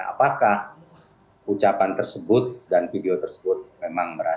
apakah ucapan tersebut dan video tersebut memang berhasil